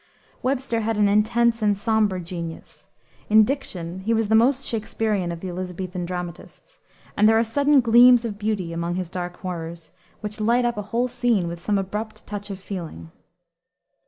Webster had an intense and somber genius. In diction he was the most Shaksperian of the Elisabethan dramatists, and there are sudden gleams of beauty among his dark horrors, which light up a whole scene with some abrupt touch of feeling.